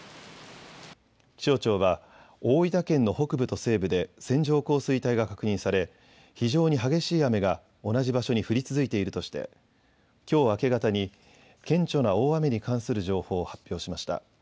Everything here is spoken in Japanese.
気象庁は大分県の北部と西部で線状降水帯が確認され非常に激しい雨が同じ場所に降り続いているとしてきょう明け方に顕著な大雨に関する情報を発表しました。